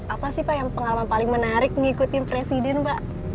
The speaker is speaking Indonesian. apa sih pak yang pengalaman paling menarik ngikutin presiden pak